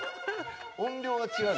音量が違う。